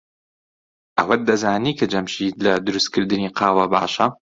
ئەوەت دەزانی کە جەمشید لە دروستکردنی قاوە باشە؟